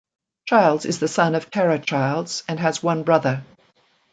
Childs is the son of Kara Childs and has one brother.